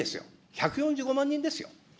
１４５万人ですよ。